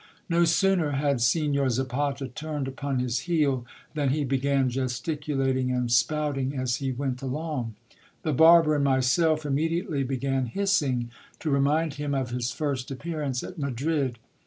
No sooner had Signor Zapata turned upon his heel, than he began gesticulating and spout'ng as he went along. The barber and myself immediately began hissing, to re mind him of his first appearance at Madrid.